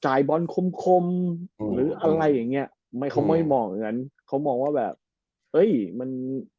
บอลคมคมหรืออะไรอย่างเงี้ยไม่เขาไม่มองอย่างนั้นเขามองว่าแบบเอ้ยมัน